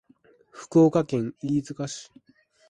福岡県飯塚市